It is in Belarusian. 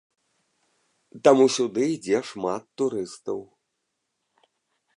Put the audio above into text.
Таму сюды ідзе шмат турыстаў.